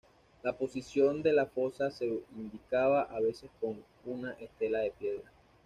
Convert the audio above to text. La posición de la fosa se indicaba a veces con una estela de piedra.